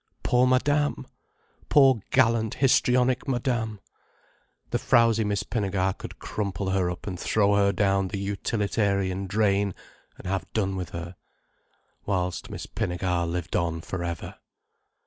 Poor Madame! Poor gallant histrionic Madame! The frowsy Miss Pinnegar could crumple her up and throw her down the utilitarian drain, and have done with her. Whilst Miss Pinnegar lived on for ever.